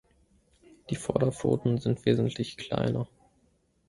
Die Vorderpfoten sind wesentlich kleiner.